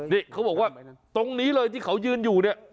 นี่เขาบอกว่าตรงนี้เลยที่เขายืนอยู่เนี่ย